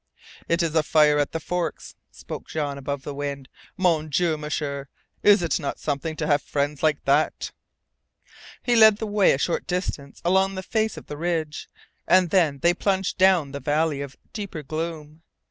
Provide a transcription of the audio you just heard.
"It is a fire at the Forks," spoke Jean above the wind. "Mon Dieu, M'sieur is it not something to have friends like that!" He led the way a short distance along the face of the ridge, and then they plunged down the valley of deeper gloom.